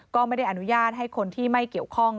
ก็ไม่ได้อนุญาตให้คนที่ไม่เกี่ยวข้อง